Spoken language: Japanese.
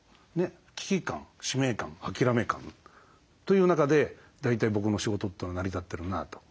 「危機感」「使命感」「諦め感」という中で大体僕の仕事ってのは成り立ってるなと。